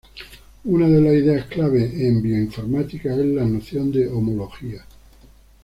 Una de las ideas clave en bioinformática es la noción de homología.